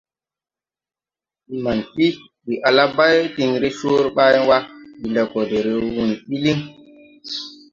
Manfii: « Ndi ala bay diŋ re coore ɓay wa, ndi le go de re wuy ɓi liŋ. ».